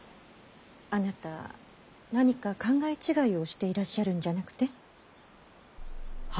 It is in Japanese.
あなた何か考え違いをしていらっしゃるんじゃなくて？は？